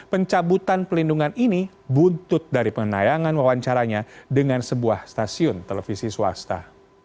pencabutan pelindungan ini buntut dari penayangan wawancaranya dengan sebuah stasiun televisi swasta